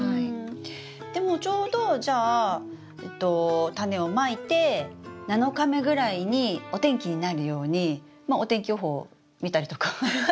でもちょうどじゃあタネをまいて７日目ぐらいにお天気になるようにまあお天気予報を見たりとかハハッ。